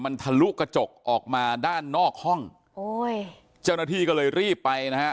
มันทะลุกระจกออกมาด้านนอกห้องโอ้ยเจ้าหน้าที่ก็เลยรีบไปนะฮะ